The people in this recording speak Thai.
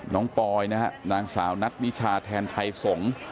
น้องปลอยนะครับนางสาวนัดนิชาแทนไทยสงฯ